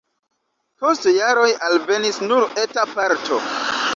Post jaroj alvenis nur eta parto.